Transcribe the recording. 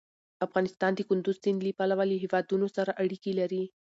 افغانستان د کندز سیند له پلوه له هېوادونو سره اړیکې لري.